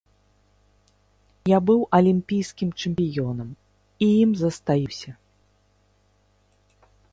Я быў алімпійскім чэмпіёнам і ім застаюся.